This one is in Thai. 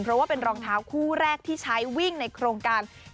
เพราะว่าเป็นรองเท้าคู่แรกที่ใช้วิ่งในโครงการ